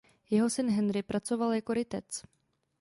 Jeho syn Henry pracoval jako rytec.